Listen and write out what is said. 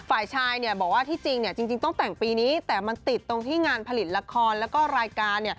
ฝ่ายชายบอกว่าที่จริงจริงต้องแต่งปีนี้แต่มันติดตรงที่งานผลิตละครแล้วก็รายการ